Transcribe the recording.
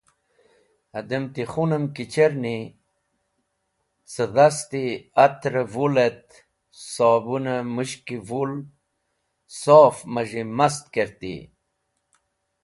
Adem ti khunem ki cherni, cẽ dast-e ‘atr vul et sobun-e mushki vul sof maz̃hi mast kertey.